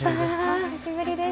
お久しぶりです。